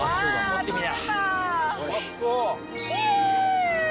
持ってみな。